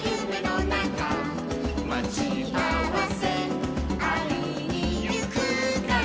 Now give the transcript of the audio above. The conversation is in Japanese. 「まちあわせあいにゆくから」